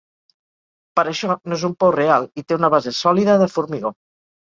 Per això no és un pou real i té una base solida de formigó.